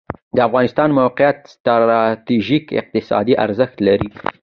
د افغانستان موقعیت ستراتیژیک اقتصادي ارزښت لري